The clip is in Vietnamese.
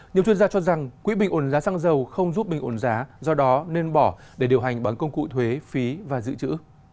nhiều chuyên gia cho rằng quỹ bình ổn giá xăng dầu không giúp bình ổn giá do đó nên bỏ để điều hành bằng công cụ thuế phí và dự trữ